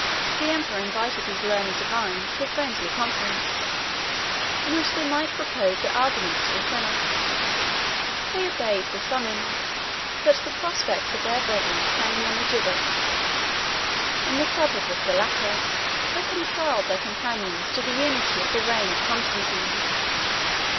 The emperor invited these learned divines to a friendly conference, in which they might propose their arguments to the senate: they obeyed the summons, but the prospect of their bodies hanging on the gibbet in the suburb of Galata reconciled their companions to the unity of the reign of Constantine.